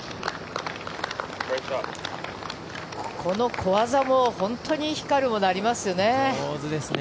ここの小技も本当に光るものがありますね。